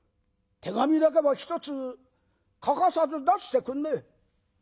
手紙だけはひとつ欠かさず出してくんねえ」。